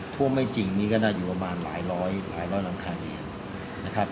ท่วมไม่จริงนี่ก็น่าอยู่ประมาณหลายร้อยหลายร้อยหลังคาเรือนนะครับ